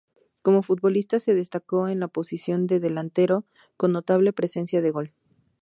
Cómo futbolista se destacó en la posición de "delantero" con notable presencia de gol.